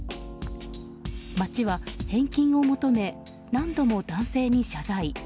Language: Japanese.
町は返金を求め何度も男性に謝罪。